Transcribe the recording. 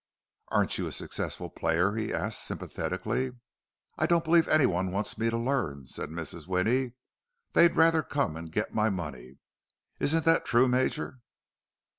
"Aren't you a successful player?" he asked sympathetically. "I don't believe anyone wants me to learn," said Mrs. Winnie.—"They'd rather come and get my money. Isn't that true, Major?"